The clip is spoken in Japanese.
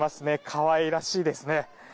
可愛らしいですね。